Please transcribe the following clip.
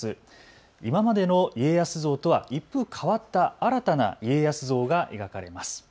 今までの家康像とは一風変わった新たな家康像が描かれます。